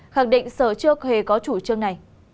khẳng định sở chưa khề có chủ trương này